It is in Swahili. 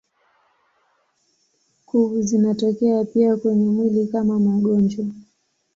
Kuvu zinatokea pia kwenye mwili kama magonjwa.